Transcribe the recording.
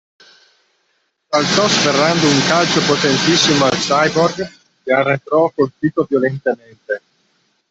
Saltò sferrando un calcio potentissimo al cyborg che arretrò colpito violentemente.